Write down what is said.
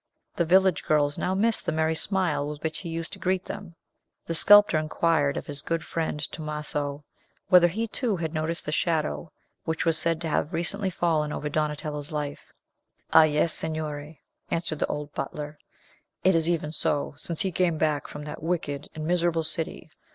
The village girls now missed the merry smile with which he used to greet them. The sculptor inquired of his good friend Tomaso, whether he, too, had noticed the shadow which was said to have recently fallen over Donatello's life. "Ah, yes, Signore!" answered the old butler, "it is even so, since he came back from that wicked and miserable city.